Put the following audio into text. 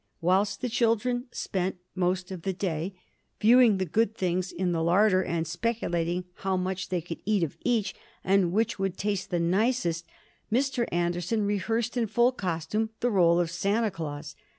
Whilst the children spent most of the day viewing the good things in the larder and speculating how much they could eat of each, and which would taste the nicest, Mr. Anderson rehearsed in full costume the rôle of Santa Claus.